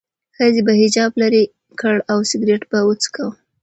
ښځې به حجاب لرې کړ او سیګرټ به څکاوه.